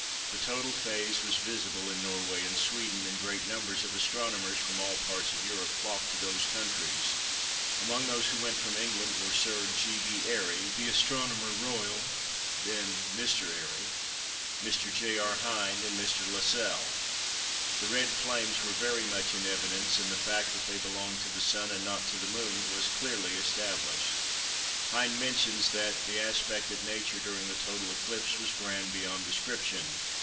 The total phase was visible in Norway and Sweden, and great numbers of astronomers from all parts of Europe flocked to those countries. Amongst those who went from England were Sir G. B. Airy, the Astronomer Royal (then Mr. Airy), Mr. J. R. Hind and Mr. Lassell. The Red Flames were very much in evidence, and the fact that they belonged to the Sun and not to the Moon was clearly established. Hind mentions that "the aspect of Nature during the total eclipse was grand beyond description."